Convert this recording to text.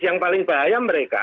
yang paling bahaya mereka